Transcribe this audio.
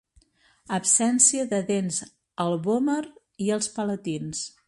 Absència de dents al vòmer i els palatins.